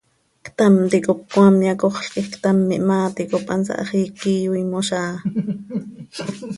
Ctam ticop cmaam yacoxl quij ctam ihmaa ticop hansaa hax iiqui iyoiimoz áa.